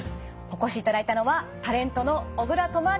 お越しいただいたのはタレントの小倉智昭さんです。